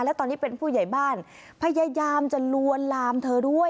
และตอนนี้เป็นผู้ใหญ่บ้านพยายามจะลวนลามเธอด้วย